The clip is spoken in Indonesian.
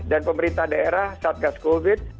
dan pemerintah daerah saat gas covid